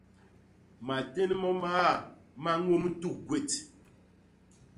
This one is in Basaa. Matén mo mmaa ma ñôm tuk gwét.